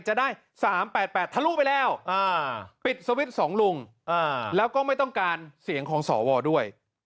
จะได้๓๘๘ทะลุไปแล้วปิดสวิตช์๒ลุงแล้วก็ไม่ต้องการเสียงของสวด้วย